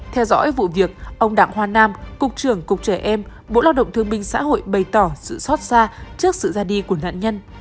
theo dõi vụ việc ông đặng hoa nam cục trưởng cục trẻ em bộ lao động thương minh xã hội bày tỏ sự xót xa trước sự ra đi của nạn nhân